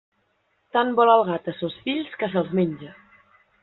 Tant vol el gat a sos fills, que se'ls menja.